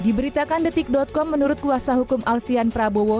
diberitakan detik com menurut kuasa hukum alfian prabowo